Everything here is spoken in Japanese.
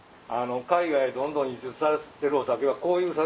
海外どんどん輸出されてるお酒はこういう酒。